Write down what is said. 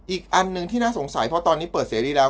อีกอันหนึ่งที่น่าสงสัยเพราะตอนนี้เปิดเสรีแล้ว